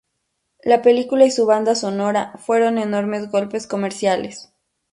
La película y su banda sonora fueron enormes golpes comerciales.